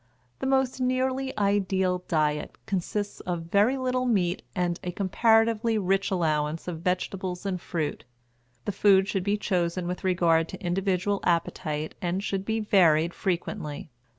The most nearly ideal diet consists of very little meat and a comparatively rich allowance of vegetables and fruit. The food should be chosen with regard to individual appetite and should be varied frequently.